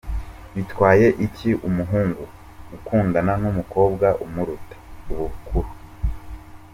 Bitwaye iki umuhungu gukundana n’umukobwa umuruta ubukuru